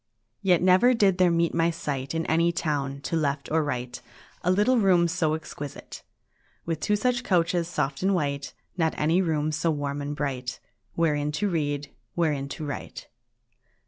III Yet never did there meet my sight, In any town, to left or right, A little room so exquisite, With two such couches soft and white; Not any room so warm and bright, Wherein to read, wherein to write.